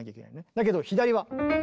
だけど左は。